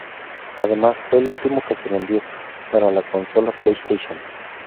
Además, fue el último que se vendió para la consola PlayStation.